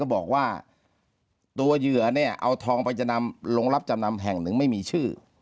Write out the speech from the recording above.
บอกว่าตัวเหยื่อเนี่ยเอาทองไปจะนำโรงรับจำนำแห่งหนึ่งไม่มีชื่อ